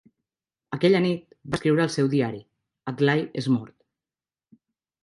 Aquella nit va escriure al seu diari, Adlai és mort.